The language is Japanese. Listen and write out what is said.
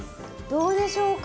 どうでしょうか？